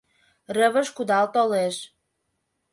Рывыж кудал толеш.